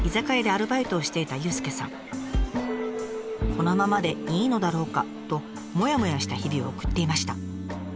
このままでいいのだろうか？ともやもやした日々を送っていました。